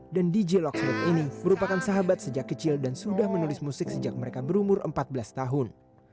dan dj loxley ini merupakan sahabat sejak kecil dan sudah menulis musik sejak mereka berumur empat belas tahun